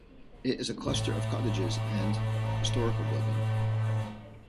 It is a cluster of cottages and historical building.